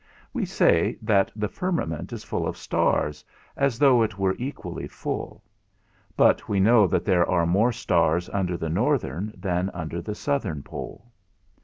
We say that the firmament is full of stars, as though it were equally full; but we know that there are more stars under the Northern than under the Southern pole.